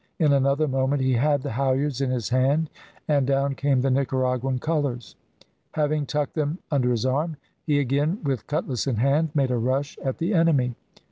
In another moment he had the halliards in his hand, and down came the Nicaraguan colours. Having tucked them under his arm, he again, with cutlass in hand, made a rush at the enemy.